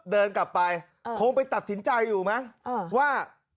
เดินกลับไปคงไปตัดสินใจอยู่มั้งว่า